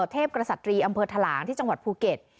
เทพกษัตรีอำเภอทะหลางที่จังหวัดภูเก็ต